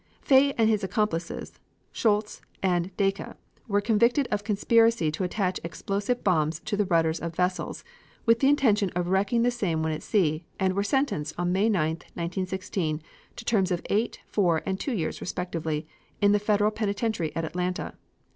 Fay and his accomplices, Scholz and Daeche, were convicted of conspiracy to attach explosive bombs to the rudders of vessels, with the intention of wrecking the same when at sea, and were sentenced, on May 9, 1916, to terms of eight, four and two years respectively, in the federal penitentiary at Atlanta.